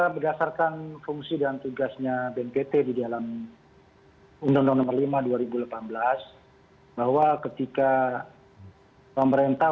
berdasarkan fungsi dan tugasnya bnpt di dalam undang undang nomor lima dua ribu delapan belas bahwa ketika pemerintah